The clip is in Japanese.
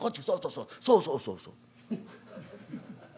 そうそうそうそうそう」。